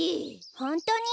ホントに？